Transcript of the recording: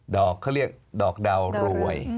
อกเขาเรียกดอกดาวรวย